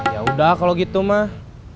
yaudah kalau gitu mah